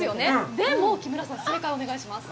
でも、木村さん、正解をお願いします。